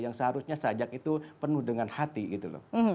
yang seharusnya sajak itu penuh dengan hati gitu loh